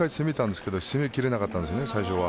攻めきれなかったです、最初は。